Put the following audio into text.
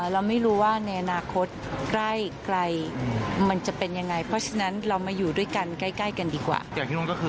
เราไม่รู้ว่าในอนาคตใกล้มันจะเป็นยังไงเพราะฉะนั้นเรามาอยู่ด้วยกันใกล้กันดีกว่า